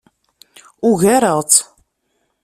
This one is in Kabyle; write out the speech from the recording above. Ugareɣ-tt.